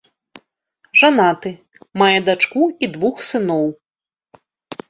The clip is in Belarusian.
Жанаты, мае дачку і двух сыноў.